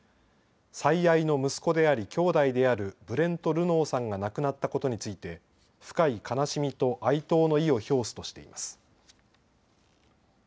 最愛の息子であり兄弟であるブレント・ルノーさんが亡くなったことについて深い悲しみと哀悼の意を表すとしています。